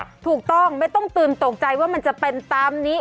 ถูกต้องไม่ต้องตื่นตกใจว่ามันจะเป็นตามนี้